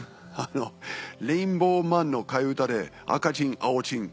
「レインボーマンの替え歌で赤チン青チン」。